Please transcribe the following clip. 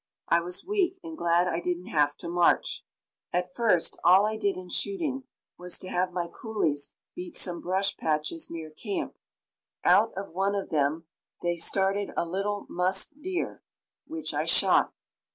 I was weak, and glad I didn't have to march. At first, all I did in shooting was to have my coolies beat some brush patches near camp. Out of one of them they started a little musk deer, which I shot.